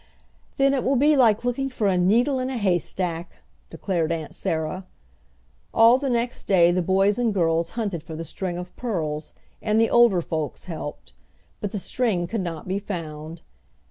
"Then it will be like looking for a needle in a haystack," declared Aunt Sarah. All the next day the boys and girls hunted for the string of pearls, and the older folks helped. But the string could not be found.